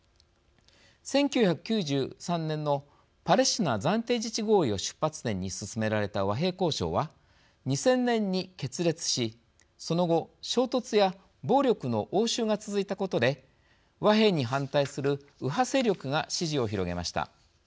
１９９３年のパレスチナ暫定自治合意を出発点に進められた和平交渉は２０００年に決裂し、その後衝突や暴力の応酬が続いたことで和平に反対する右派勢力が支持を広げました。